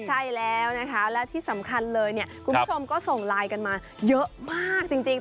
ใช่แล้วนะคะและที่สำคัญเลยเนี่ยคุณผู้ชมก็ส่งไลน์กันมาเยอะมากจริง